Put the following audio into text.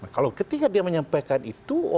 kalau ketika dia menyampaikan itu